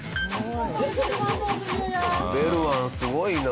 ベルワンすごいな！